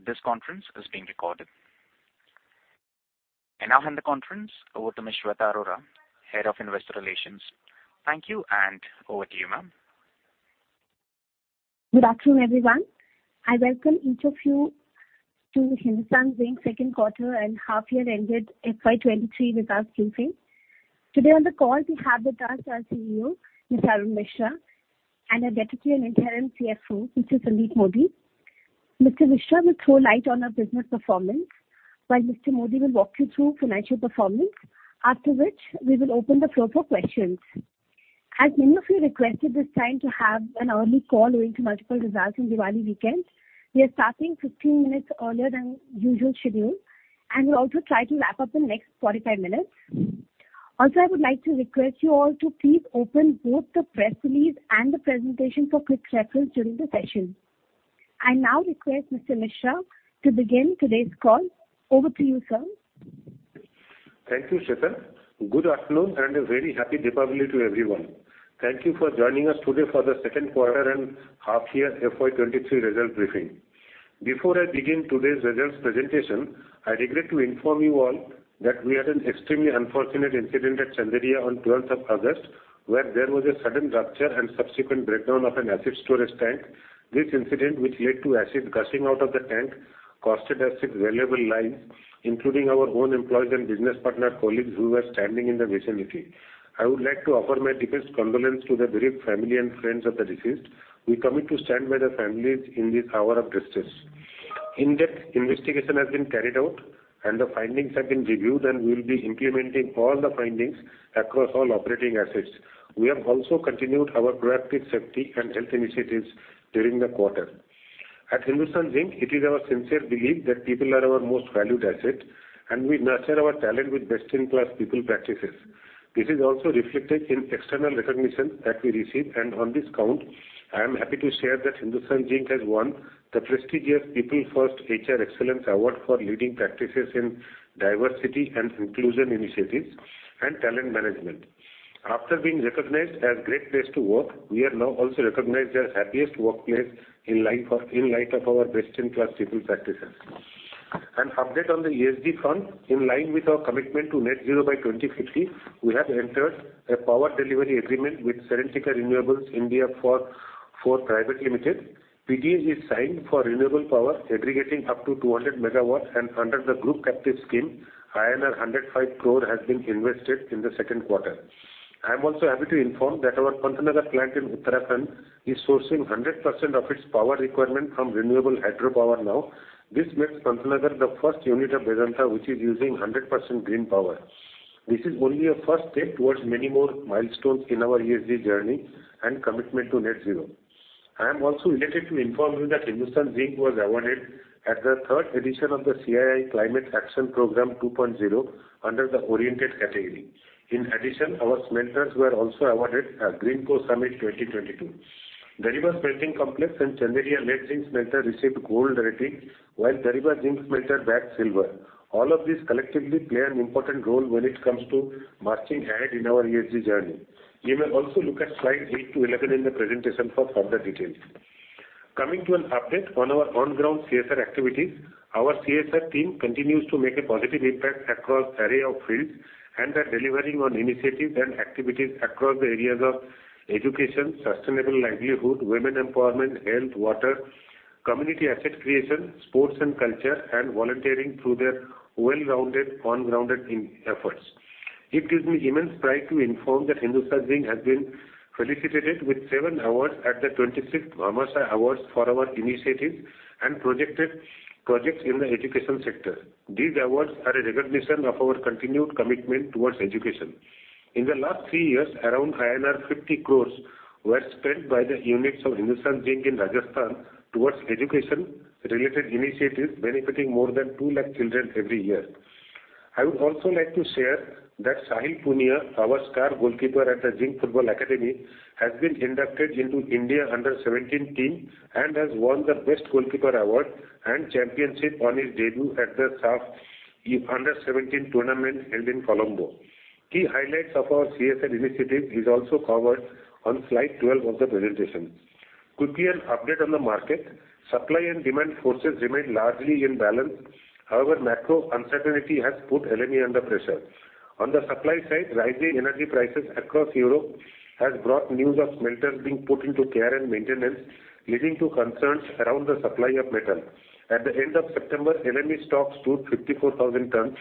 Please note that this conference is being recorded. I now hand the conference over to Ms. Shweta Arora, Head of Investor Relations. Thank you, and over to you, ma'am. Good afternoon, everyone. I welcome each of you to Hindustan Zinc second quarter and half year ended FY 2023 results briefing. Today on the call, we have with us our CEO, Mr. Arun Misra, and identically an interim CFO, which is Sandeep Modi. Mr. Misra will throw light on our business performance, while Mr. Modi will walk you through financial performance. After which, we will open the floor for questions. As many of you requested this time to have an early call owing to multiple results in Diwali weekend, we are starting 15 minutes earlier than usual schedule, and we'll also try to wrap up in the next 45 minutes. Also, I would like to request you all to please open both the press release and the presentation for quick reference during the session. I now request Mr. Misra to begin today's call. Over to you, sir. Thank you, Shweta. Good afternoon, and a very happy Deepavali to everyone. Thank you for joining us today for the second quarter and half year FY 2023 result briefing. Before I begin today's results presentation, I regret to inform you all that we had an extremely unfortunate incident at Chanderia on 12th of August, where there was a sudden rupture and subsequent breakdown of an acid storage tank. This incident, which led to acid gushing out of the tank, costed us valuable lives, including our own employees and business partner colleagues who were standing in the vicinity. I would like to offer my deepest condolence to the bereaved family and friends of the deceased. We commit to stand by their families in this hour of distress. In-depth investigation has been carried out and the findings have been reviewed, and we'll be implementing all the findings across all operating assets. We have also continued our proactive safety and health initiatives during the quarter. At Hindustan Zinc, it is our sincere belief that people are our most valued asset, and we nurture our talent with best-in-class people practices. This is also reflected in external recognition that we receive. On this count, I am happy to share that Hindustan Zinc has won the prestigious PeopleFirst HR Excellence Award for leading practices in diversity and inclusion initiatives and talent management. After being recognized as great place to work, we are now also recognized as happiest workplace in light of our best-in-class people practices. An update on the ESG front. In line with our commitment to net zero by 2050, we have entered a power delivery agreement with Serentica Renewables India Private Limited. PPA is signed for renewable power aggregating up to 200 MW and under the group captive scheme, 105 crore has been invested in the second quarter. I am also happy to inform that our Pantnagar plant in Uttarakhand is sourcing 100% of its power requirement from renewable hydropower now. This makes Pantnagar the first unit of Vedanta which is using 100% green power. This is only a first step towards many more milestones in our ESG journey and commitment to net zero. I am also delighted to inform you that Hindustan Zinc was awarded at the third edition of the CII Climate Action program 2.0 under the oriented category. In addition, our smelters were also awarded at GreenPro Summit 2022. Dariba Smelting Complex and Chanderia Lead Zinc Smelter received Gold rating, while Dariba Zinc Smelter bagged Silver. All of these collectively play an important role when it comes to marching ahead in our ESG journey. You may also look at slide 8 to 11 in the presentation for further details. Coming to an update on our on-ground CSR activities. Our CSR team continues to make a positive impact across an array of fields and are delivering on initiatives and activities across the areas of education, sustainable livelihood, women empowerment, health, water, community asset creation, sports and culture, and volunteering through their well-rounded on-ground initiatives. It gives me immense pride to inform that Hindustan Zinc has been felicitated with 7 awards at the 26th Bhamashah Awards for our initiatives and projects in the education sector. These awards are a recognition of our continued commitment towards education. In the last three years, around 50 crores were spent by the units of Hindustan Zinc in Rajasthan towards education-related initiatives, benefiting more than 2 lakh children every year. I would also like to share that Sahil Punia, our star goalkeeper at the Zinc Football Academy, has been inducted into India under-17 team and has won the Best Goalkeeper award and championship on his debut at the SAFF U-17 tournament held in Colombo. Key highlights of our CSR initiative is also covered on slide 12 of the presentation. Quickly an update on the market. Supply and demand forces remain largely in balance. However, macro uncertainty has put LME under pressure. On the supply side, rising energy prices across Europe has brought news of smelters being put into care and maintenance, leading to concerns around the supply of metal. At the end of September, LME stocks stood 54,000 tons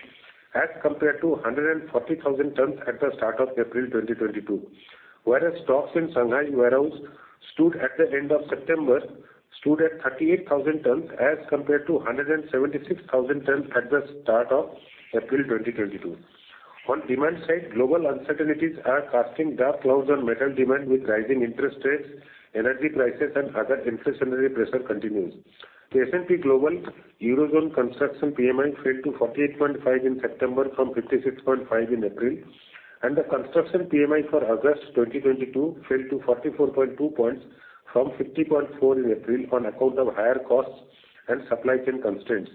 as compared to 140,000 tons at the start of April 2022. Whereas stocks in Shanghai warehouse stood at the end of September, stood at 38,000 tons as compared to 176,000 tons at the start of April 2022. On demand side, global uncertainties are casting dark clouds on metal demand with rising interest rates, energy prices, and other inflationary pressure continues. The S&P Global Eurozone Construction PMI fell to 48.5 in September from 56.5 in April. The Construction PMI for August 2022 fell to 44.2 points from 50.4 in April on account of higher costs and supply chain constraints,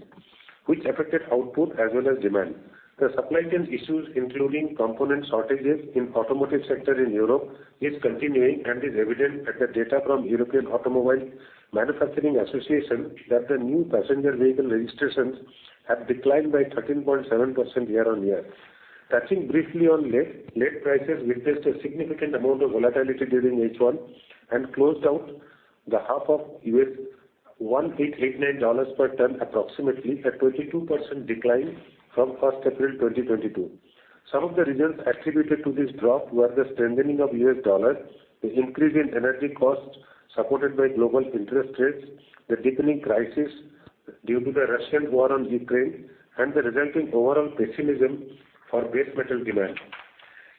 which affected output as well as demand. The supply chain issues, including component shortages in automotive sector in Europe, is continuing and is evident at the data from European Automobile Manufacturers' Association, that the new passenger vehicle registrations have declined by 13.7% year-on-year. Touching briefly on lead. Lead prices witnessed a significant amount of volatility during H1, and closed out the half at $1,889 per ton approximately, a 22% decline from April 1, 2022. Some of the reasons attributed to this drop were the strengthening of U.S. dollar, the increase in energy costs supported by global interest rates, the deepening crisis due to the Russian war on Ukraine, and the resulting overall pessimism for base metal demand.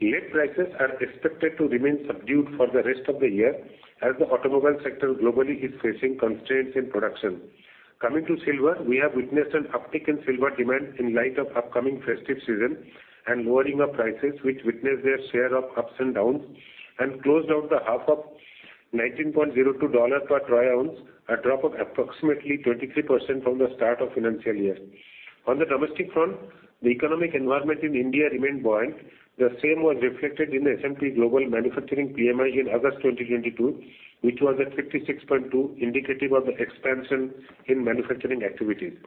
Lead prices are expected to remain subdued for the rest of the year, as the automobile sector globally is facing constraints in production. Coming to silver, we have witnessed an uptick in silver demand in light of upcoming festive season and lowering of prices, which witnessed their share of ups and downs, and closed out the half up $19.02 per troy ounce, a drop of approximately 23% from the start of financial year. On the domestic front, the economic environment in India remained buoyant. The same was reflected in S&P Global Manufacturing PMI in August 2022, which was at 56.2, indicative of the expansion in manufacturing activities.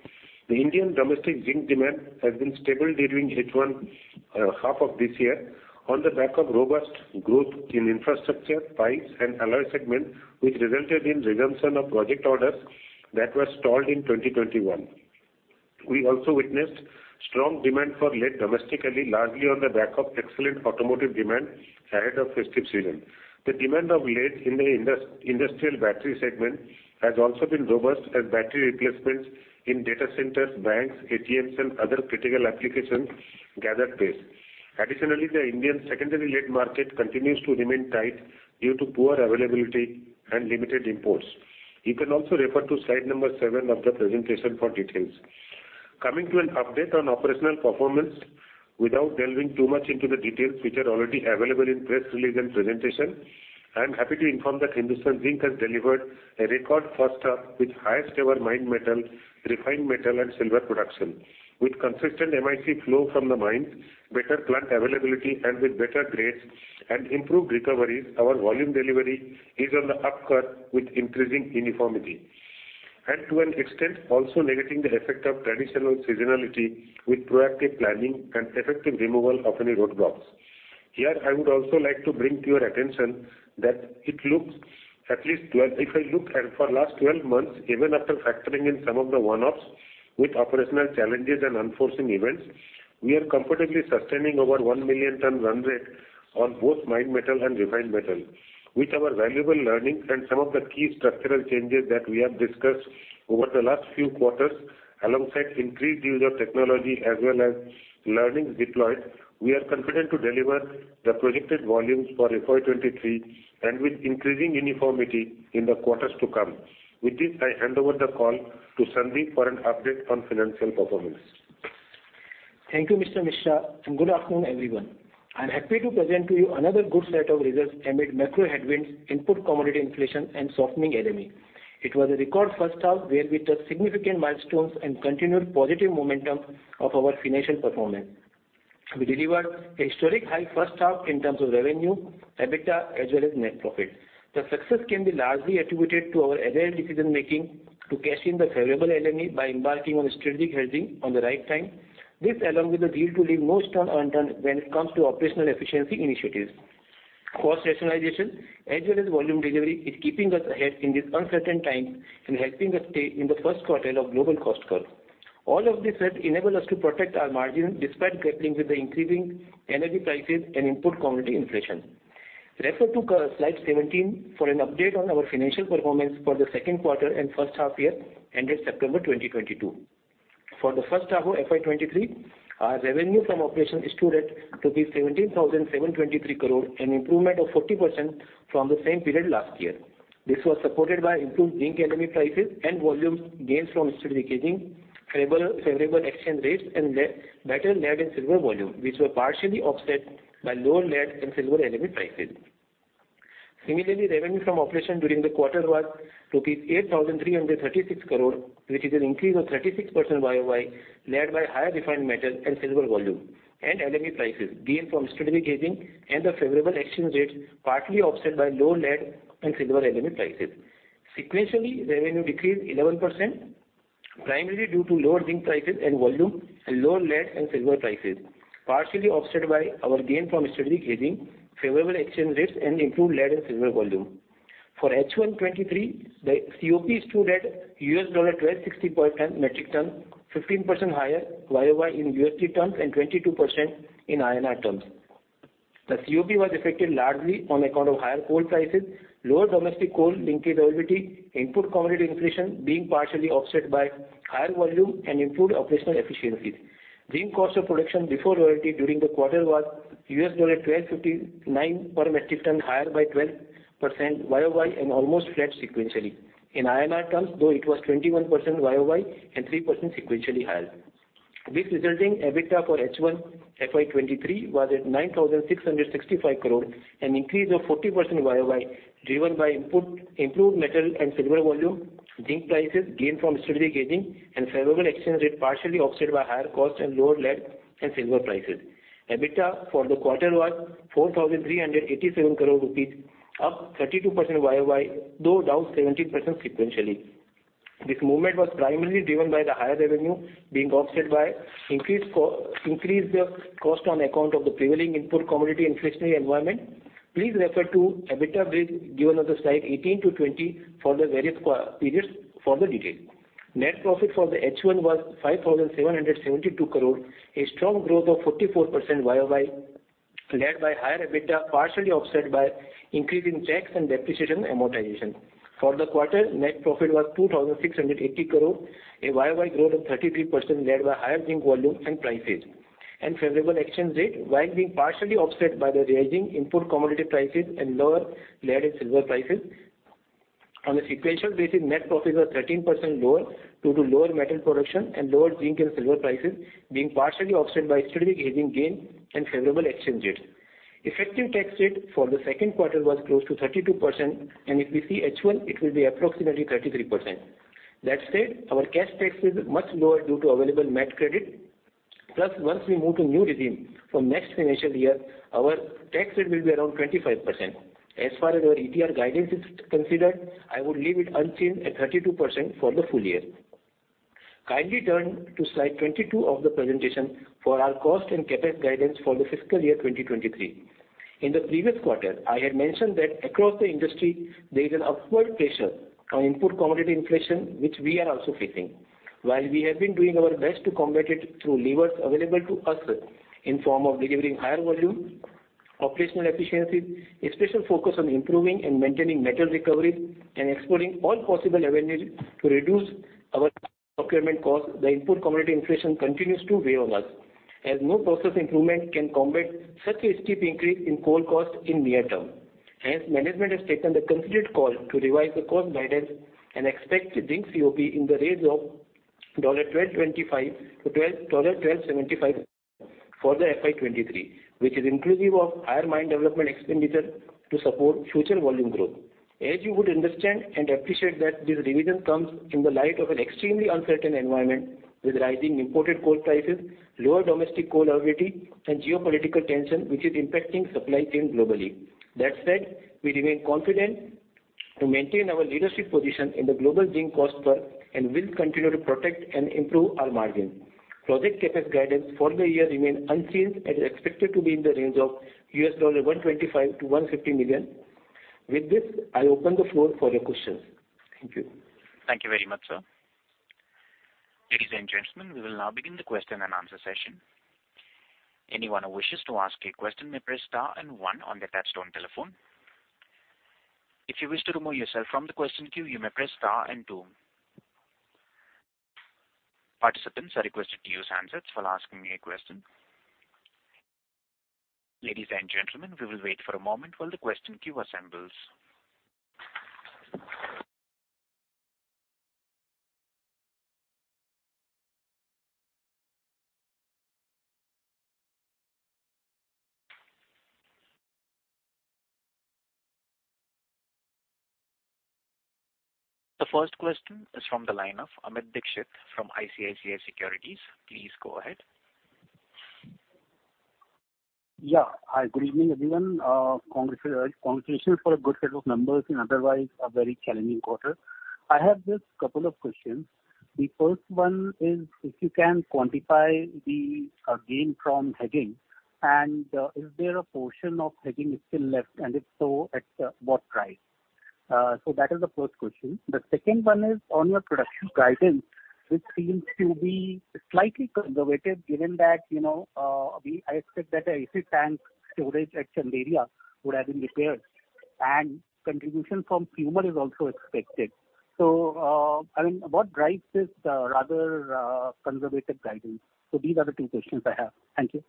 The Indian domestic zinc demand has been stable during H1, half of this year, on the back of robust growth in infrastructure, pipes and alloy segment, which resulted in resumption of project orders that were stalled in 2021. We also witnessed strong demand for lead domestically, largely on the back of excellent automotive demand ahead of festive season. The demand of lead in the industrial battery segment has also been robust as battery replacements in data centers, banks, ATMs and other critical applications gathered pace. Additionally, the Indian secondary lead market continues to remain tight due to poor availability and limited imports. You can also refer to slide number seven of the presentation for details. Coming to an update on operational performance. Without delving too much into the details which are already available in press release and presentation, I am happy to inform that Hindustan Zinc has delivered a record first half with highest ever mined metal, refined metal and silver production. With consistent MIC flow from the mines, better plant availability, and with better grades and improved recoveries, our volume delivery is on the up curve with increasing uniformity. To an extent, also negating the effect of traditional seasonality with proactive planning and effective removal of any roadblocks. Here, I would also like to bring to your attention. If I look at the last 12 months, even after factoring in some of the one-offs with operational challenges and unforeseen events, we are comfortably sustaining our 1 million ton run rate on both mined metal and refined metal. With our valuable learning and some of the key structural changes that we have discussed over the last few quarters, alongside increased use of technology as well as learnings deployed, we are confident to deliver the projected volumes for FY 23 and with increasing uniformity in the quarters to come. With this, I hand over the call to Sandeep for an update on financial performance. Thank you, Mr. Misra, and good afternoon, everyone. I'm happy to present to you another good set of results amid macro headwinds, input commodity inflation, and softening LME. It was a record first half where we touched significant milestones and continued positive momentum of our financial performance. We delivered a historic high first half in terms of revenue, EBITDA as well as net profit. The success can be largely attributed to our agile decision-making to cash in the favorable LME by embarking on strategic hedging on the right time. This, along with the zeal to leave no stone unturned when it comes to operational efficiency initiatives, cost rationalization as well as volume delivery is keeping us ahead in these uncertain times and helping us stay in the first quartile of global cost curve. All of this has enabled us to protect our margin despite grappling with the increasing energy prices and input commodity inflation. Refer to slide 17 for an update on our financial performance for the second quarter and first half year ended September 2022. For the first half of FY 2023, our revenue from operations stood at 17,723 crore, an improvement of 40% from the same period last year. This was supported by improved zinc LME prices and volume gains from strategic hedging, favorable exchange rates and better lead and silver volume, which were partially offset by lower lead and silver LME prices. Revenue from operations during the quarter was rupees 8,336 crore, which is an increase of 36% YOY, led by higher refined metal and silver volume and LME prices gained from strategic hedging and the favorable exchange rates, partly offset by lower lead and silver LME prices. Sequentially, revenue decreased 11%, primarily due to lower zinc prices and volume and lower lead and silver prices, partially offset by our gain from strategic hedging, favorable exchange rates and improved lead and silver volume. For H1 2023, the COP stood at $1,260 per metric ton, 15% higher YOY in USD terms and 22% in INR terms. The COP was affected largely on account of higher coal prices, lower domestic coal linkage royalty, input commodity inflation being partially offset by higher volume and improved operational efficiencies. Zinc cost of production before royalty during the quarter was $1,259 per metric ton, higher by 12% YOY and almost flat sequentially. In INR terms, though, it was 21% YOY and 3% sequentially higher. This resulting EBITDA for H1 FY 2023 was at 9,665 crore, an increase of 40% YOY, driven by improved metal and silver volume, zinc prices gained from strategic hedging and favorable exchange rate, partially offset by higher costs and lower lead and silver prices. EBITDA for the quarter was 4,387 crore rupees, up 32% YOY, though down 17% sequentially. This movement was primarily driven by the higher revenue being offset by increased cost on account of the prevailing input commodity inflationary environment. Please refer to EBITDA bridge given on the slide 18 to 20 for the various periods for the detail. Net profit for the H1 was 5,772 crore, a strong growth of 44% YOY, led by higher EBITDA, partially offset by increase in tax and depreciation amortization. For the quarter, net profit was 2,680 crore, a YOY growth of 33% led by higher zinc volume and prices and favorable exchange rate, while being partially offset by the rising input commodity prices and lower lead and silver prices. On a sequential basis, net profit was 13% lower due to lower metal production and lower zinc and silver prices being partially offset by strategic hedging gain and favorable exchange rates. Effective tax rate for the second quarter was close to 32%, and if we see H1, it will be approximately 33%. That said, our cash tax is much lower due to available MAT credit. Plus, once we move to new regime from next financial year, our tax rate will be around 25%. As far as our ETR guidance is considered, I would leave it unchanged at 32% for the full year. Kindly turn to slide 22 of the presentation for our cost and CapEx guidance for the fiscal year 2023. In the previous quarter, I had mentioned that across the industry there is an upward pressure on input commodity inflation, which we are also facing. While we have been doing our best to combat it through levers available to us in form of delivering higher volume, operational efficiency, a special focus on improving and maintaining metal recovery and exploring all possible avenues to reduce our procurement cost, the input commodity inflation continues to weigh on us as no process improvement can combat such a steep increase in coal cost in near term. Hence, management has taken the considered call to revise the cost guidance and expect zinc COP in the range of $12.25-$12.75 for the FY 2023, which is inclusive of higher mine development expenditure to support future volume growth. As you would understand and appreciate that this revision comes in the light of an extremely uncertain environment with rising imported coal prices, lower domestic coal availability and geopolitical tension, which is impacting supply chain globally. That said, we remain confident to maintain our leadership position in the global zinc cost curve and will continue to protect and improve our margin. Project CapEx guidance for the year remain unchanged and is expected to be in the range of $125 million-$150 million. With this, I open the floor for your questions. Thank you. Thank you very much, sir. Ladies and gentlemen, we will now begin the question and answer session. Anyone who wishes to ask a question may press star and one on their touchtone telephone. If you wish to remove yourself from the question queue, you may press star and two. Participants are requested to use handsets while asking a question. Ladies and gentlemen, we will wait for a moment while the question queue assembles. The first question is from the line of Amit Dixit from ICICI Securities. Please go ahead. Yeah. Hi. Good evening, everyone. Congratulations for a good set of numbers in otherwise a very challenging quarter. I have just couple of questions. The first one is if you can quantify the gain from hedging and is there a portion of hedging still left, and if so, at what price? That is the first question. The second one is on your production guidance, which seems to be slightly conservative given that, you know, I expect that acid tank storage at Chanderia would have been repaired and contribution from Fumer is also expected. I mean, what drives this rather conservative guidance? These are the two questions I have. Thank you.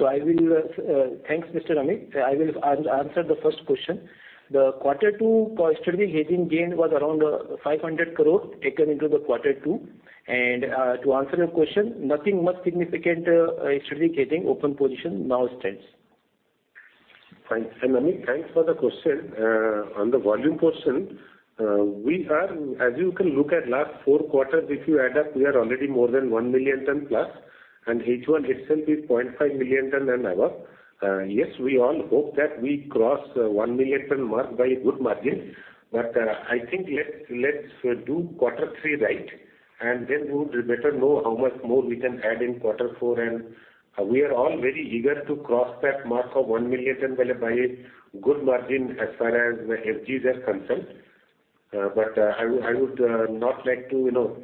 Thanks, Mr. Amit. I will answer the first question. The quarter two strategic hedging gain was around 500 crore taken into the quarter two. To answer your question, nothing much significant, strategic hedging open position now stands. Fine. Amit, thanks for the question. On the volume portion, we are, as you can look at last four quarters, if you add up, we are already more than 1 million ton plus and H1 itself is 0.5 million ton and above. Yes, we all hope that we cross 1 million ton mark by good margin. I think let's do quarter three right, and then we would better know how much more we can add in quarter four. We are all very eager to cross that mark of 1 million ton by good margin as far as FGs are concerned. I would not like to, you know,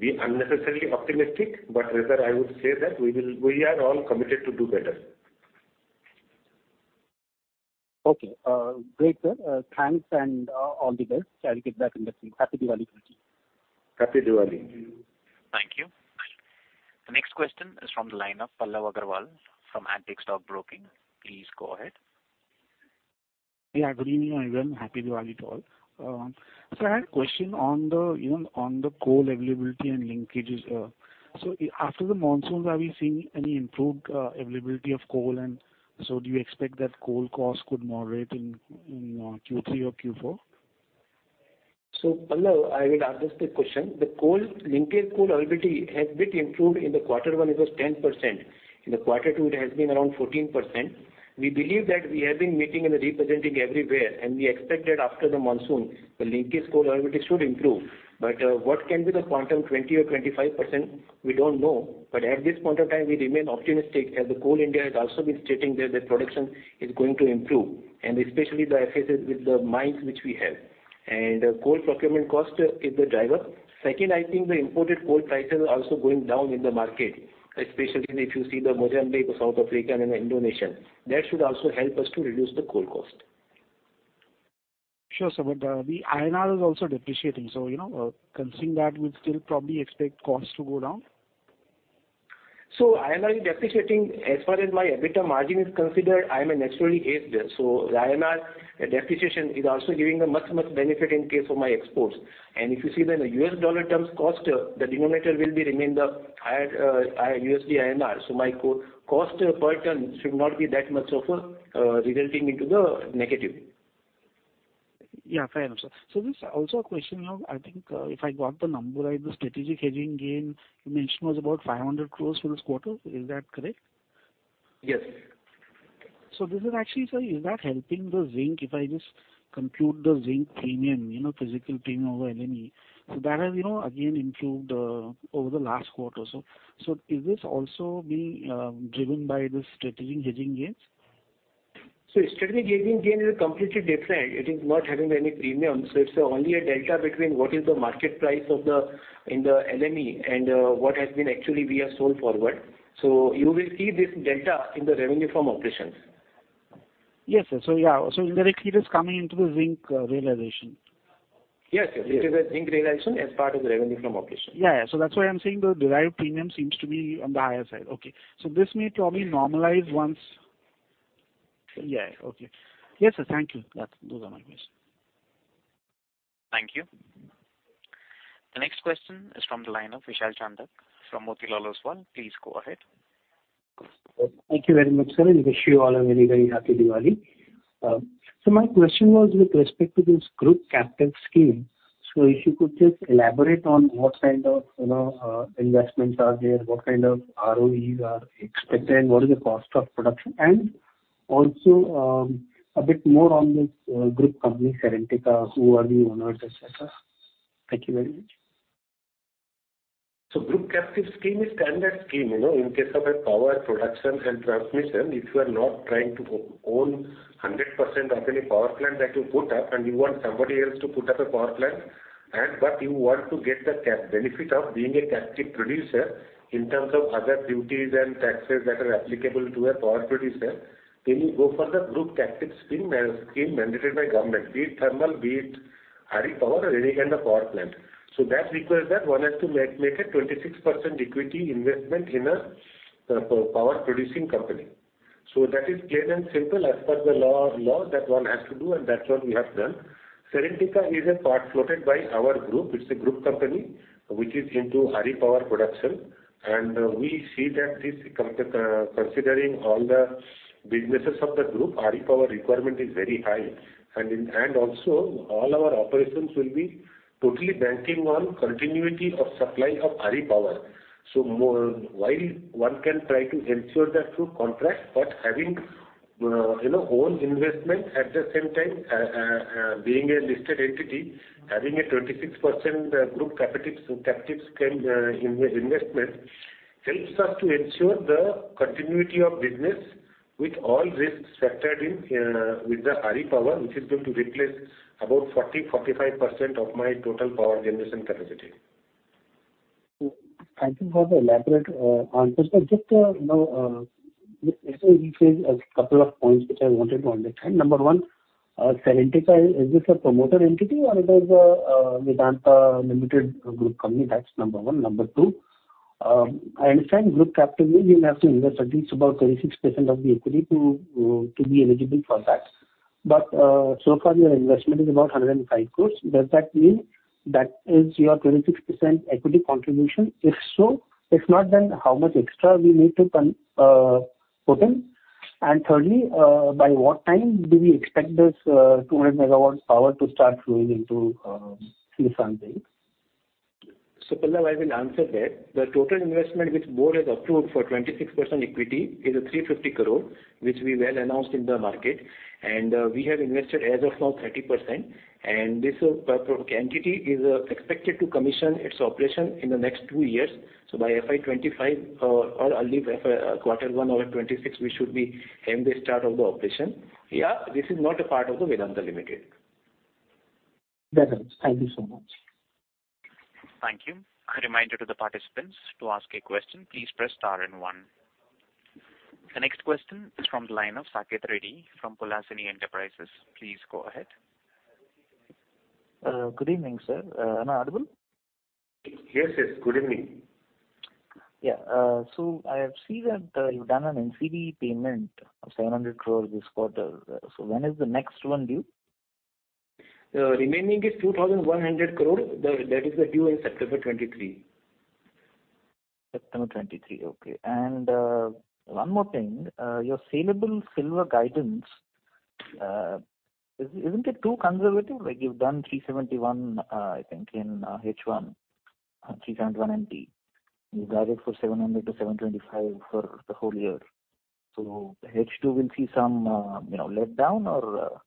be unnecessarily optimistic, but rather I would say that we are all committed to do better. Okay. Great, sir. Thanks and all the best. I'll get back in touch. Happy Diwali to you. Happy Diwali. Thank you. Thank you. The next question is from the line of Pallav Agarwal from Antique Stock Broking. Please go ahead. Yeah, good evening everyone. Happy Diwali to all. I had a question on the, you know, on the coal availability and linkages. After the monsoons, are we seeing any improved availability of coal? Do you expect that coal costs could moderate in Q3 or Q4? Pallav, I will address the question. The coal linkage, coal availability has been improved. In the quarter one it was 10%. In the quarter two it has been around 14%. We believe that we have been meeting and representing everywhere, and we expect that after the monsoon, the linkage coal availability should improve. What can be the quantum, 20 or 25%? We don't know. At this point of time, we remain optimistic, as the Coal India has also been stating that the production is going to improve, and especially the effect with the mines which we have. Coal procurement cost is the driver. Second, I think the imported coal prices are also going down in the market, especially if you see the Mozambique, South Africa and Indonesia. That should also help us to reduce the coal cost. Sure, sir. The INR is also depreciating. You know, considering that, we'd still probably expect costs to go down? INR is depreciating. As far as my EBITDA margin is considered, I'm a naturally hedged. INR depreciation is also giving a much, much benefit in case of my exports. If you see the US dollar terms cost, the denominator will remain the USD-INR. My cost per ton should not be that much of a resulting in the negative. Yeah, fair enough, sir. This is also a question, you know, I think, if I got the number right, the strategic hedging gain you mentioned was about 500 crore for this quarter. Is that correct? Yes. This is actually, sorry, is that helping the zinc? If I just conclude the zinc premium, you know, physical premium over LME, so that has, you know, again, improved over the last quarter or so. Is this also being driven by the strategic hedging gains? Strategic hedging gain is completely different. It is not having any premium, so it's only a delta between what is the market price of the, in the LME and, what has been actually we have sold forward. You will see this delta in the revenue from operations. Yes, sir. Yeah, so indirectly it is coming into the zinc realization. Yes. It is a zinc realization as part of the revenue from operations. Yeah, yeah. That's why I'm saying the derived premium seems to be on the higher side. Okay. This may probably normalize once. Yeah, okay. Yes, sir. Thank you. Those are my questions. Thank you. The next question is from the line of Vishal Chandak from Motilal Oswal. Please go ahead. Thank you very much, sir, and wish you all a very, very happy Diwali. My question was with respect to this group captive scheme. If you could just elaborate on what kind of, you know, investments are there, what kind of ROEs are expected, and what is the cost of production? A bit more on this group company, Serentica, who are the owners, et cetera? Thank you very much. Group captive scheme is standard scheme, you know, in case of a power production and transmission, if you are not trying to own 100% of any power plant that you put up and you want somebody else to put up a power plant and, but you want to get the benefit of being a captive producer in terms of other duties and taxes that are applicable to a power producer, then you go for the group captive scheme mandated by government, be it thermal, be it RE power or any kind of power plant. That requires that one has to make a 26% equity investment in a power producing company. That is plain and simple as per the law that one has to do, and that's what we have done. Serentica is a part floated by our group. It's a group company which is into hydro power production. We see that considering all the businesses of the group, hydro power requirement is very high. Also all our operations will be totally banking on continuity of supply of hydro power. While one can try to ensure that through contract, but having you know own investment at the same time, being a listed entity, having a 26% group captive scheme in investment helps us to ensure the continuity of business with all risks factored in with the hydro power, which is going to replace about 40%-45% of my total power generation capacity. Thank you for the elaborate answer, sir. Just, you know, you said a couple of points which I wanted to understand. Number one, Serentica, is this a promoter entity or it is a Vedanta Limited group company? That's number one. Number two, I understand group captive means you have to invest at least about 26% of the equity to be eligible for that. So far your investment is about 105 crore. Does that mean that is your 26% equity contribution? If so, if not, then how much extra we need to put in? Thirdly, by what time do we expect this 200 MW power to start flowing into Hindustan Zinc? Pallav, I will answer that. The total investment which board has approved for 26% equity is 350 crore, which we will announce in the market. We have invested as of now 30%. This entity is expected to commission its operation in the next two years. By FY 2025 or early FY quarter one of 2026, we should aim to start the operation. Yeah, this is not a part of Vedanta Limited. Very good. Thank you so much. Thank you. A reminder to the participants, to ask a question, please press star and one. The next question is from the line of Saket Reddy from Polasani Enterprises. Please go ahead. Good evening, sir. Am I audible? Yes, yes. Good evening. I have seen that you've done an NCD payment of 700 crore this quarter. When is the next one due? The remaining is 2,100 crore. That is the due in September 2023. September 2023. Okay. One more thing. Your saleable silver guidance, isn't it too conservative? Like, you've done 371, I think in H1. 371 MT. You've guided for 700-725 for the whole year. H2 will see some, you know, letdown or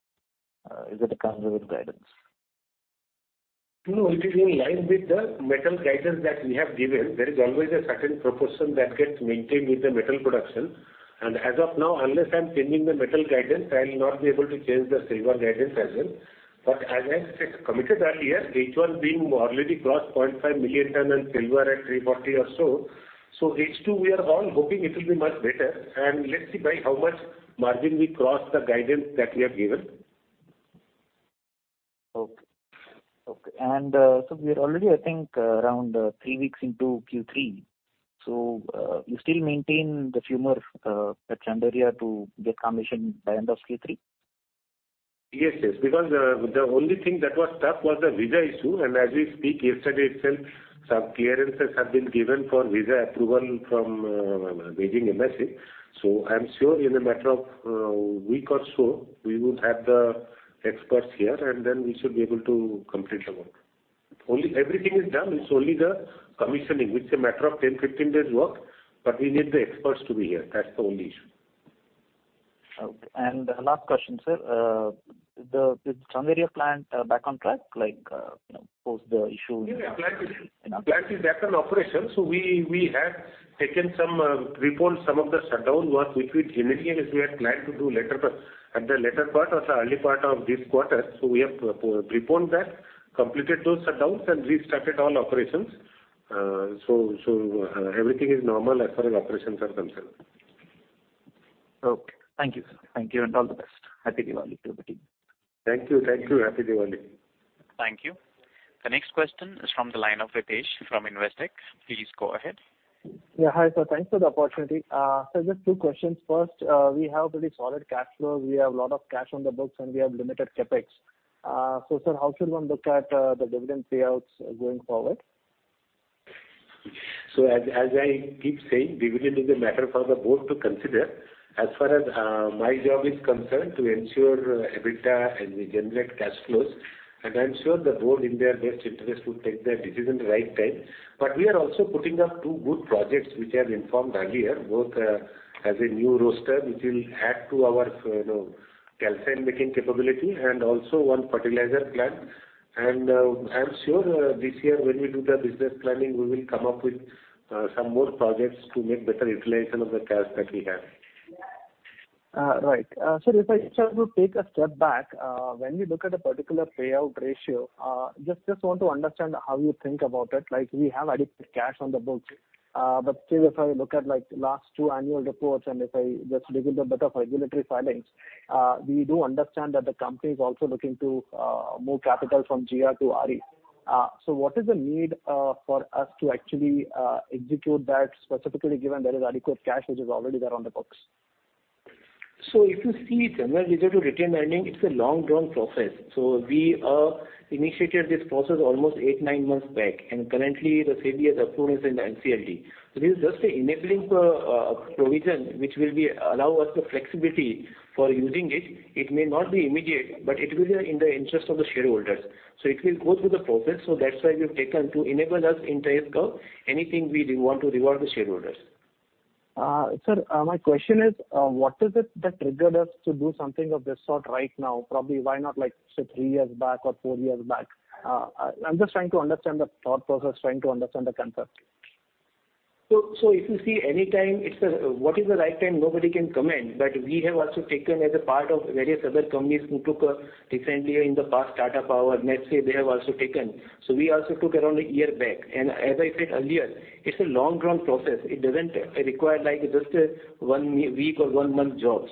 is it a conservative guidance? No, it is in line with the metal guidance that we have given. There is always a certain proportion that gets maintained with the metal production. As of now, unless I'm changing the metal guidance, I'll not be able to change the silver guidance as well. As I committed earlier, H1 being we already crossed 0.5 million ton on silver at 340 or so. H2 we are all hoping it will be much better. Let's see by how much margin we cross the guidance that we have given. Okay. We are already, I think, around three weeks into Q3. You still maintain the view more at Chanderia to get commission by end of Q3? Yes, yes. Because the only thing that was stuck was the visa issue. As we speak, yesterday itself, some clearances have been given for visa approval from Beijing embassy. I'm sure in a matter of week or so, we would have the experts here, and then we should be able to complete the work. Only everything is done, it's only the commissioning, which is a matter of 10-15 days work. We need the experts to be here. That's the only issue. Okay. The last question, sir. Is Chanderia plant back on track, like, you know, post the issue? Yeah. Plant is back in operation. We have preponed some of the shutdown work, which we generally as we had planned to do later, at the later part or the early part of this quarter. We have preponed that, completed those shutdowns and restarted all operations. Everything is normal as far as operations are concerned. Okay. Thank you, sir. Thank you and all the best. Happy Diwali to the team. Thank you. Happy Diwali. Thank you. The next question is from the line of Ritesh from Investec. Please go ahead. Yeah. Hi, sir. Thanks for the opportunity. Just two questions. First, we have really solid cash flow. We have a lot of cash on the books, and we have limited CapEx. Sir, how should one look at the dividend payouts going forward? As I keep saying, dividend is a matter for the board to consider. As far as my job is concerned, to ensure EBITDA and we generate cash flows. I'm sure the board in their best interest will take the decision at the right time. We are also putting up two good projects which I have informed earlier, both as a new roaster which will add to our, you know, calcine making capability and also one fertilizer plant. I'm sure this year when we do the business planning, we will come up with some more projects to make better utilization of the cash that we have. If I just take a step back, when we look at a particular payout ratio, just want to understand how you think about it. Like, we have adequate cash on the books. Still if I look at like last two annual reports and if I just dig in a bit of regulatory filings, we do understand that the company is also looking to move capital from GR to RE. What is the need for us to actually execute that specifically given there is adequate cash which is already there on the books. If you see general reserve to retained earnings, it's a long run process. We initiated this process almost 8, 9 months back. Currently the SEBI has approved this in the NCLT. This is just a enabling provision which will allow us the flexibility for using it. It may not be immediate, but it will be in the interest of the shareholders. It will go through the process. That's why we've taken to enable us in case of anything we want to reward the shareholders. Sir, my question is, what is it that triggered us to do something of this sort right now? Probably why not like, say, three years back or four years back? I'm just trying to understand the thought process, trying to understand the concept. If you see any time, it's. What is the right time? Nobody can comment. We have also taken as a part of various other companies who took recently or in the past Tata Power, Nelco. They have also taken. We also took around a year back. As I said earlier, it's a long run process. It doesn't require like just one week or one month job.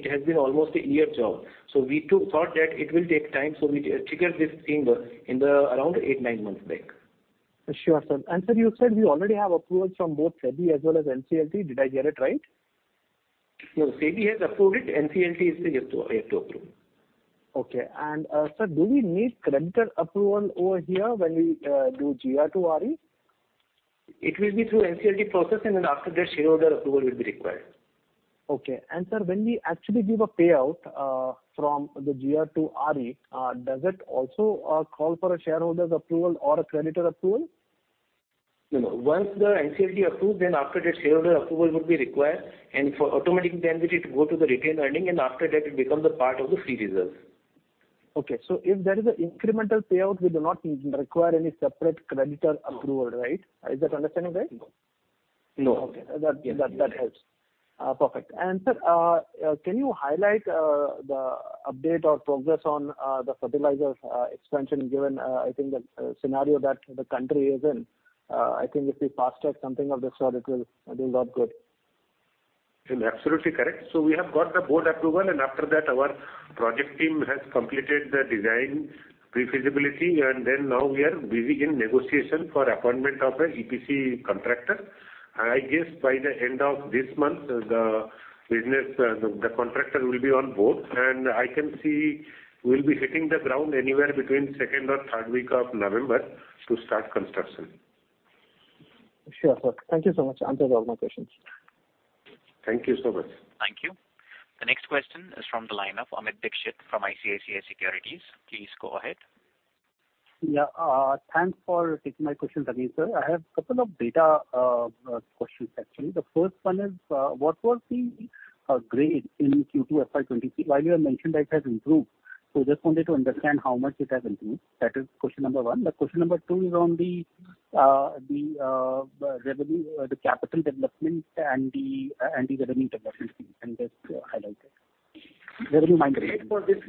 It has been almost a year job. We too thought that it will take time, so we triggered this around 8-9 months back. Sure, sir. Sir, you said you already have approvals from both SEBI as well as NCLT. Did I get it right? No, SEBI has approved it. NCLT is still yet to approve. Okay. Sir, do we need creditor approval over here when we do GR to RE? It will be through NCLT process and then after that shareholder approval will be required. Sir, when we actually give a payout from the GR to RE, does it also call for a shareholder's approval or a creditor approval? No, no. Once the NCLT approves, then after that shareholder approval would be required. For automatically then it go to the retained earnings and after that it becomes a part of the free reserves. Okay. If there is an incremental payout, we do not require any separate creditor approval, right? Is that understanding right? No. Okay. That helps. Perfect. Sir, can you highlight the update or progress on the fertilizers expansion, given I think the scenario that the country is in? I think if we fast-track something of this sort, it will look good. Absolutely correct. We have got the board approval, and after that our project team has completed the design pre-feasibility, and then now we are busy in negotiation for appointment of a EPC contractor. I guess by the end of this month, the contractor will be on board, and I can see we'll be hitting the ground anywhere between second or third week of November to start construction. Sure, sir. Thank you so much. Answered all my questions. Thank you so much. Thank you. The next question is from the line of Amit Dixit from ICICI Securities. Please go ahead. Yeah. Thanks for taking my questions again, sir. I have a couple of data questions actually. The first one is, what was the grade in Q2 FY 2023? While you have mentioned that it has improved, so just wanted to understand how much it has improved. That is question number one. The question number two is on the revenue, the capital development and the revenue development and just highlight it. Revenue mine development.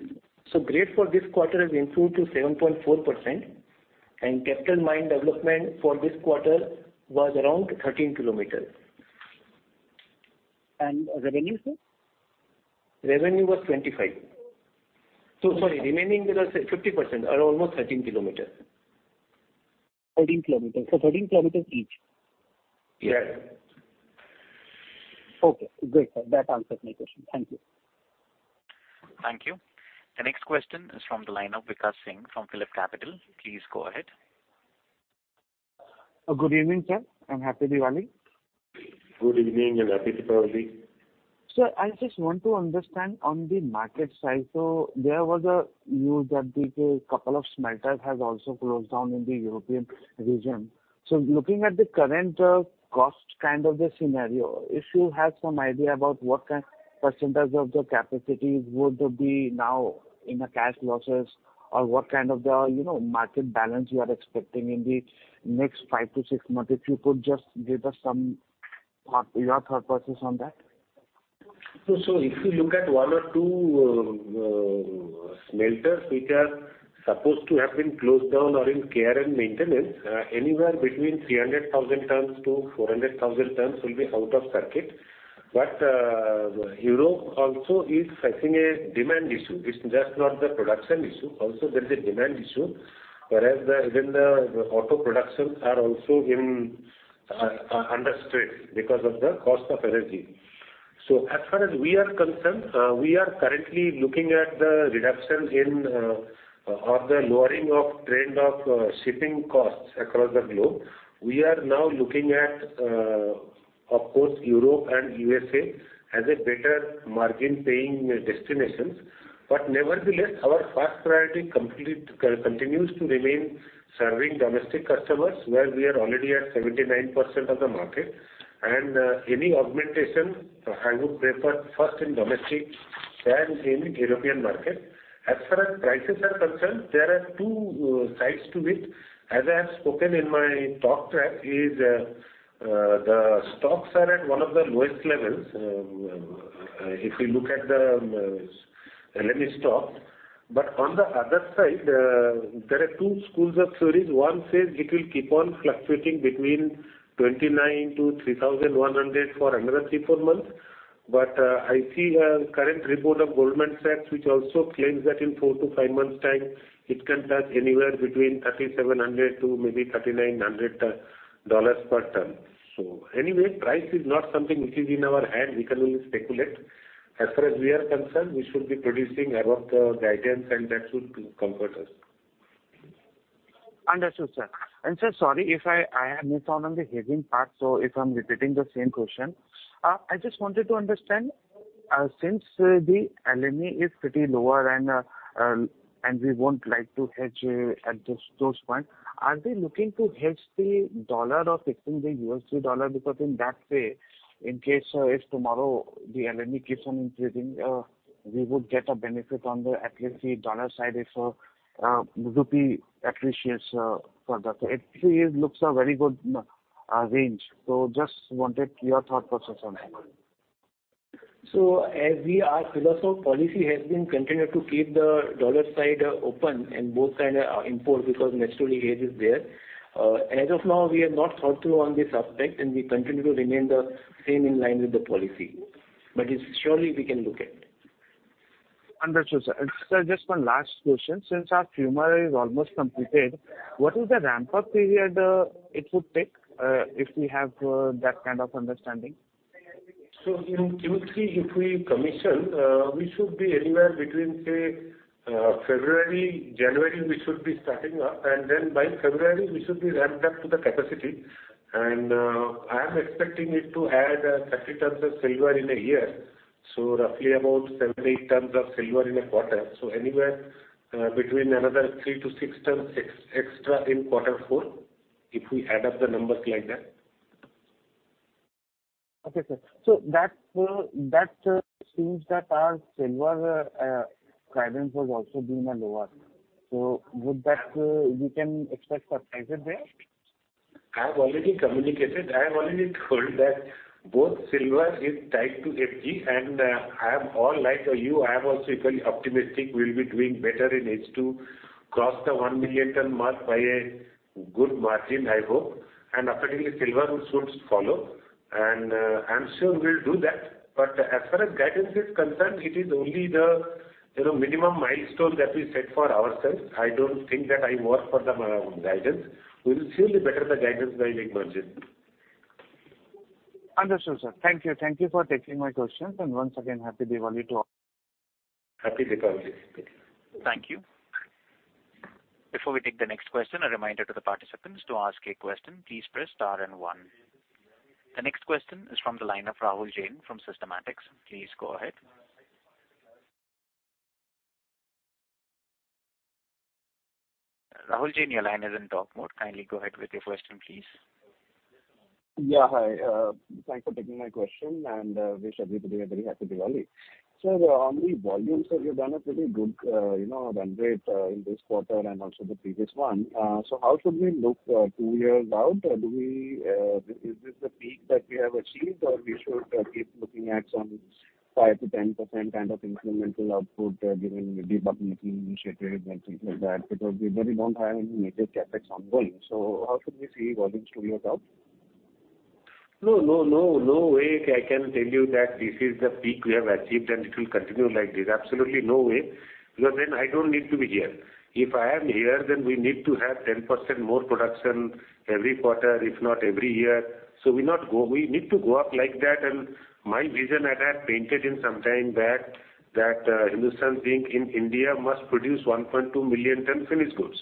Grade for this quarter has improved to 7.4%, and capital mine development for this quarter was around 13 kilometers. Revenue, sir? Revenue was 25. Sorry, remaining was 50% or almost 13 km. 13 kilometers. 13 kilometers each? Yes. Okay, great sir. That answers my question. Thank you. Thank you. The next question is from the line of Vikash Singh from PhillipCapital. Please go ahead. Good evening, sir, and Happy Diwali. Good evening, and Happy Diwali. Sir, I just want to understand on the market side. There was a news that the couple of smelters has also closed down in the European region. Looking at the current cost kind of a scenario, if you have some idea about what kind percentage of the capacity would be now in a cash losses or what kind of the market balance you are expecting in the next 5-6 months. If you could just give us some thought, your thought process on that. If you look at 1 or 2 smelters which are supposed to have been closed down or in care and maintenance, anywhere between 300,000-400,000 tons will be out of circuit. Europe also is facing a demand issue. It's just not the production issue. Also there is a demand issue. Whereas the, even the auto production are also in under stress because of the cost of energy. As far as we are concerned, we are currently looking at the reduction in, or the lowering of trend of shipping costs across the globe. We are now looking at, of course, Europe and USA as a better margin paying destinations. Nevertheless, our first priority continues to remain serving domestic customers, where we are already at 79% of the market. Any augmentation, I would prefer first in domestic than in European market. As far as prices are concerned, there are two sides to it. As I have spoken in my talk track, the stocks are at one of the lowest levels if you look at the LME stock. On the other side, there are two schools of theories. One says it will keep on fluctuating between $2,900-$3,100 for another three, four months. I see a current report of Goldman Sachs, which also claims that in four to five months time, it can touch anywhere between $3,700 to maybe $3,900 per ton. Anyway, price is not something which is in our hand. We can only speculate. As far as we are concerned, we should be producing above the guidance and that should comfort us. Understood, sir. Sir, sorry if I have missed on the hedging part, so if I'm repeating the same question. I just wanted to understand, since the LME is pretty lower and we won't like to hedge at those points, are they looking to hedge the dollar or fixing the USD dollar? Because in that way, in case if tomorrow the LME keeps on increasing, we would get a benefit on at least the dollar side if rupee appreciates for that. It looks a very good range. Just wanted your thought process on that. As we are, our policy has been continued to keep the dollar side open and both sides import because natural hedge is there. As of now, we have not thought through on this aspect, and we continue to remain the same in line with the policy. It's surely we can look at. Understood, sir. Sir, just one last question. Since our Fumer is almost completed, what is the ramp-up period it would take if we have that kind of understanding? In Q3, if we commission, we should be anywhere between, say, January, February. January, we should be starting up, and then by February we should be ramped up to the capacity. I am expecting it to add 30 tons of silver in a year, so roughly about 7, 8 tons of silver in a quarter. Anywhere between another 3-6 tons extra in quarter four, if we add up the numbers like that. Okay, sir. That seems that our silver guidance was also being a lower. Would that we can expect surprises there? I have already communicated. I have already told that both silver is tied to FG, and I am all like you. I am also equally optimistic we'll be doing better in H2, cross the 1 million ton mark by a good margin, I hope. Accordingly, silver should follow. I'm sure we'll do that. As far as guidance is concerned, it is only the, you know, minimum milestone that we set for ourselves. I don't think that I work for the management guidance. We will surely better the guidance by a big margin. Understood, sir. Thank you. Thank you for taking my questions. Once again, Happy Diwali to all. Happy Diwali. Thank you. Before we take the next question, a reminder to the participants, to ask a question, please press star and one. The next question is from the line of Rahul Jain from Systematix. Please go ahead. Rahul Jain, your line is in talk mode. Kindly go ahead with your question, please. Yeah. Hi, thanks for taking my question, and wish everybody a very happy Diwali. On the volumes that you've done a pretty good, you know, run rate in this quarter and also the previous one. How should we look two years out? Do we is this the peak that we have achieved or we should keep looking at some 5%-10% kind of incremental output given the de-bottlenecking initiative and things like that, because we really don't have any major CapEx ongoing. How should we see volumes two years out? No, no, no way can I tell you that this is the peak we have achieved, and it will continue like this. Absolutely no way. Because then I don't need to be here. If I am here, then we need to have 10% more production every quarter, if not every year. We need to go up like that. My vision, and I painted in some time back, that Hindustan Zinc in India must produce 1.2 million ton finished goods.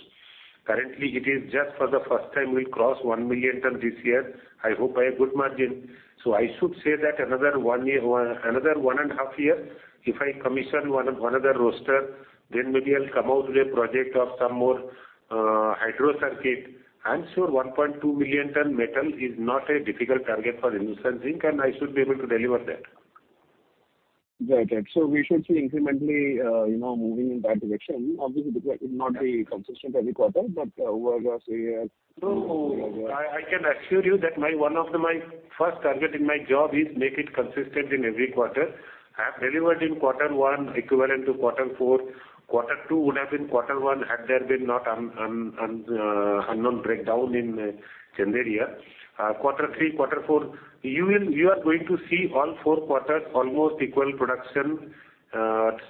Currently, it is just for the first time we crossed 1 million ton this year, I hope by a good margin. I should say that another one year, another one and a half year, if I commission one other roaster, then maybe I'll come out with a project of some more hydro circuit. I'm sure 1.2 million ton metal is not a difficult target for Hindustan Zinc, and I should be able to deliver that. Got it. We should see incrementally, you know, moving in that direction. Obviously, because it may not be consistent every quarter, but over a, say, a year. No, I can assure you that one of my first target in my job is make it consistent in every quarter. I have delivered in quarter one equivalent to quarter four. Quarter two would have been quarter one, had there been not unknown breakdown in Chanderia. Quarter three, quarter four, you are going to see all four quarters almost equal production,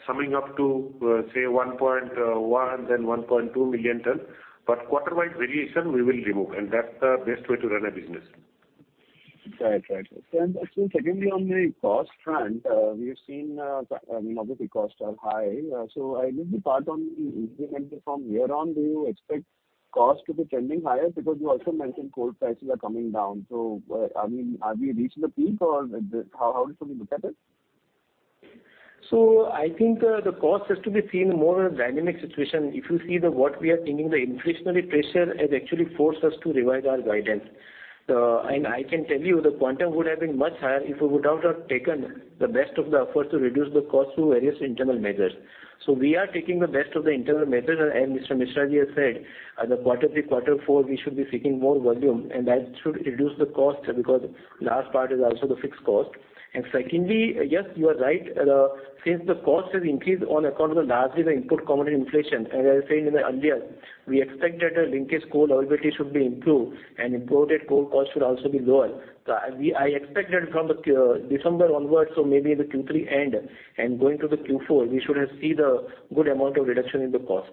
summing up to, say 1.1, then 1.2 million ton. Quarter-wide variation we will remove, and that's the best way to run a business. Right. Secondly, on the cost front, we have seen, I mean, obviously costs are high. I leave the part on the increment from here on, do you expect cost to be trending higher? Because you also mentioned coal prices are coming down. Are we reaching the peak or how should we look at it? I think the cost has to be seen more in a dynamic situation. If you see what we are seeing, the inflationary pressure has actually forced us to revise our guidance. I can tell you, the quantum would have been much higher if we would not have taken the best of the efforts to reduce the cost through various internal measures. We are taking the best of the internal measures. Mr. Misra ji has said the quarter three, quarter four, we should be seeing more volume, and that should reduce the cost because large part is also the fixed cost. Secondly, yes, you are right. Since the cost has increased on account of largely the input commodity inflation, as I said in the earlier, we expect that linkage coal availability should be improved and imported coal cost should also be lower. I expect that from December onwards, so maybe in the Q3 end and going to the Q4, we should have see the good amount of reduction in the cost.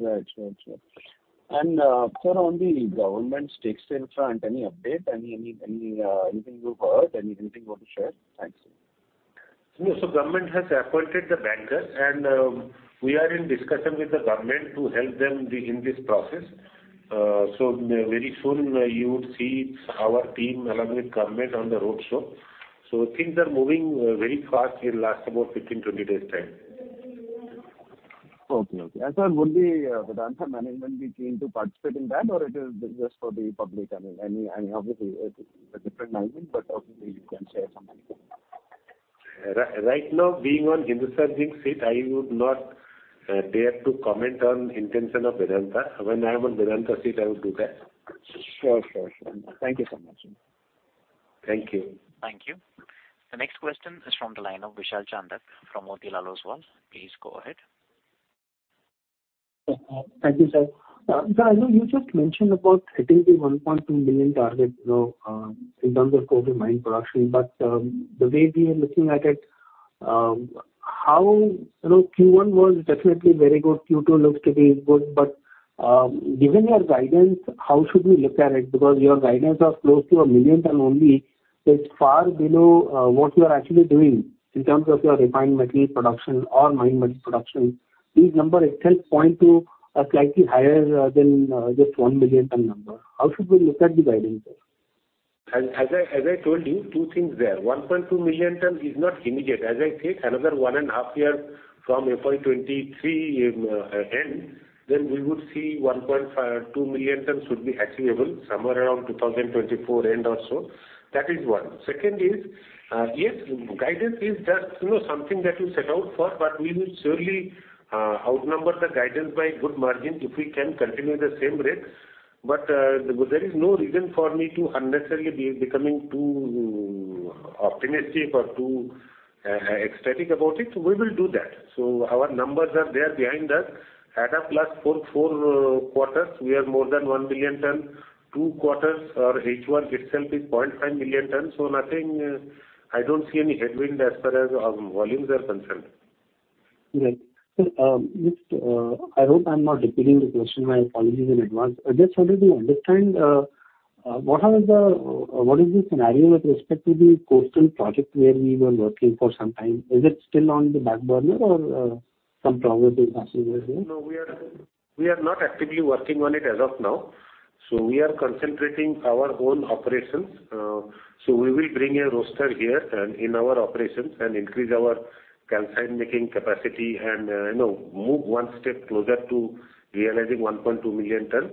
Right. Sir, on the government stakes sale front, any update? Anything you've heard? Anything you want to share? Thanks. No. Government has appointed the bankers, and we are in discussion with the government to help them in this process. Very soon you would see our team along with government on the roadshow. Things are moving very fast in last about 15, 20 days' time. Okay. Okay. Sir, would the Vedanta management be keen to participate in that or it is just for the public? I mean, obviously it's a different management, but obviously you can share some. Right now, being on Hindustan Zinc seat, I would not dare to comment on intention of Vedanta. When I'm on Vedanta seat, I would do that. Sure. Thank you so much. Thank you. Thank you. The next question is from the line of Vishal Chandak from Motilal Oswal. Please go ahead. Thank you, sir. Sir, I know you just mentioned about hitting the 1.2 million target, you know, in terms of coal to mine production. The way we are looking at it, you know, Q1 was definitely very good. Q2 looks to be good. Given your guidance, how should we look at it? Because your guidance of close to 1 million ton only is far below what you are actually doing in terms of your refined material production or mined material production. These number itself point to a slightly higher than just 1 million ton number. How should we look at the guidance there? As I told you, two things there. 1.2 million ton is not immediate. As I said, another 1.5 year from FY 2023 end, then we would see 1.2 million ton should be achievable somewhere around 2024 end or so. That is one. Second is, yes, guidance is just, you know, something that you set out for, but we will surely outperform the guidance by good margins if we can continue the same rates. But there is no reason for me to unnecessarily be becoming too optimistic or too ecstatic about it. We will do that. Our numbers are there behind us. At a +4 quarters, we are more than 1 million ton. Two quarters or H1 itself is 0.5 million ton, so nothing. I don't see any headwind as far as volumes are concerned. Right. I hope I'm not repeating the question. My apologies in advance. I just wanted to understand what is the scenario with respect to the coastal project where we were working for some time? Is it still on the back burner or some progress is happening there? No, we are not actively working on it as of now. We are concentrating on our own operations. We will bring a roaster here and in our operations and increase our calcine making capacity and, you know, move one step closer to realizing 1.2 million tons.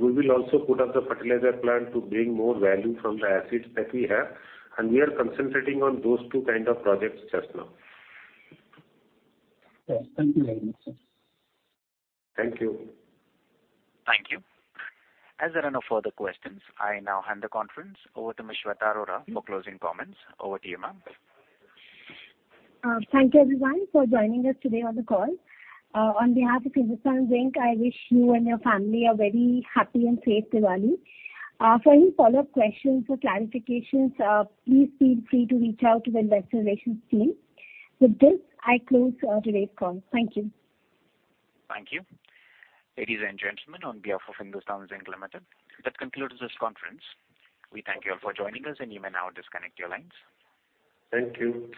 We will also put up the fertilizer plant to bring more value from the assets that we have. We are concentrating on those two kinds of projects just now. Yes. Thank you very much, sir. Thank you. Thank you. As there are no further questions, I now hand the conference over to Ms. Shweta Arora for closing comments. Over to you, ma'am. Thank you everyone for joining us today on the call. On behalf of Hindustan Zinc, I wish you and your family a very happy and safe Diwali. For any follow-up questions or clarifications, please feel free to reach out to the investor relations team. With this, I close today's call. Thank you. Thank you. Ladies and gentlemen, on behalf of Hindustan Zinc Limited, that concludes this conference. We thank you all for joining us, and you may now disconnect your lines. Thank you.